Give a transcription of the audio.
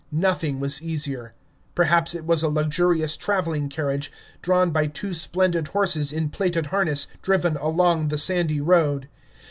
Nothing was easier. Perhaps it was a luxurious traveling carriage, drawn by two splendid horses in plated harness, driven along the sandy road.